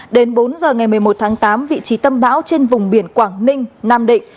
đến bốn giờ ngày một mươi một tháng tám vị trí tâm bão trên vùng biển quảng ninh nam định